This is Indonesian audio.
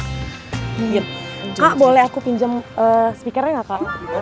kak boleh aku pinjam speakernya gak kak